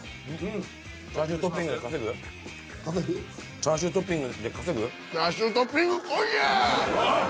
チャーシュートッピング。